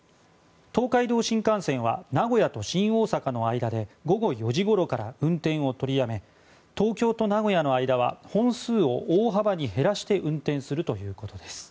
東海道新幹線は名古屋と新大阪の間で午後４時ごろから運転を取りやめ東京と名古屋の間は本数を大幅に減らして運転するということです。